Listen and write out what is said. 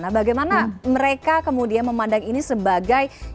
nah bagaimana mereka kemudian memandang ini sebagai